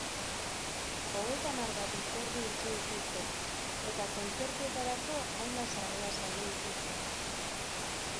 Hogeita hamar bat hitzordu itxi dituzte, eta kontzertuetarako hainbat sarrera saldu dituzte.